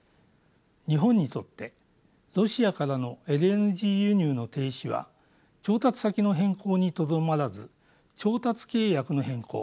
日本にとってロシアからのＬＮＧ輸入の停止は調達先の変更にとどまらず調達契約の変更